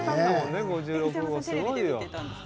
５６号、すごいよ。